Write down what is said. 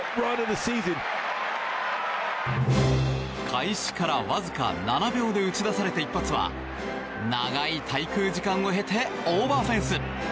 開始からわずか７秒で打ち出された一発は長い滞空時間を経てオーバーフェンス！